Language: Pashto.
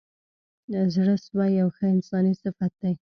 زړه سوی یو ښه انساني صفت دی.